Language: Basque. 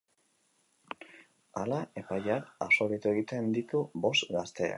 Hala, epaileak absolbitu egiten ditu bost gazteak.